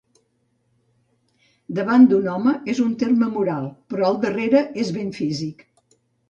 Davant d'un home és un terme moral, però al darrere és ben físic.